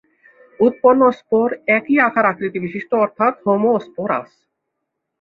উৎপন্ন স্পোর একই আকার আকৃতি বিশিষ্ট অর্থাৎ হোমোস্পোরাস।